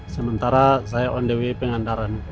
sementara saya on the way pengantaran